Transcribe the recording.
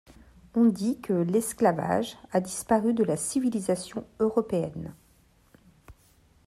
On dit que l’esclavage a disparu de la civilisation européenne.